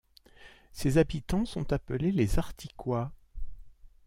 Ses habitants sont appelés les Articois.